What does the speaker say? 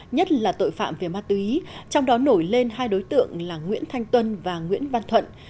nhất là tội phạm về mát tư ý trong đó nổi lên hai đối tượng là nguyễn thanh tuân và nguyễn văn thuận